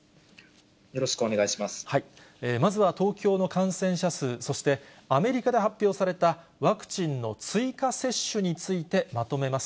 まずは東京の感染者数、そして、アメリカで発表されたワクチンの追加接種について、まとめます。